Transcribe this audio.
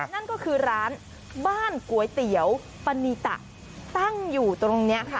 นั่นก็คือร้านบ้านก๋วยเตี๋ยวปานีตะตั้งอยู่ตรงนี้ค่ะ